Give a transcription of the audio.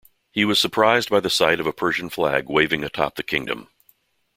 He was surprised by the sight of a Persian flag waving atop the kingdom.